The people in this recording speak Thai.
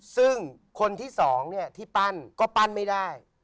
ซึ่งคนที่สองที่ปั้นก็ปั้นไม่ได้